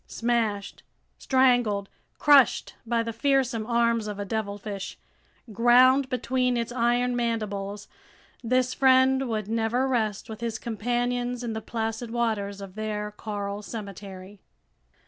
Smashed, strangled, crushed by the fearsome arms of a devilfish, ground between its iron mandibles, this friend would never rest with his companions in the placid waters of their coral cemetery!